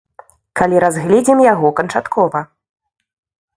Калі разгледзім яго канчаткова!